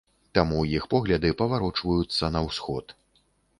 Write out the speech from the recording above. Таму іх погляды паварочваюцца на ўсход.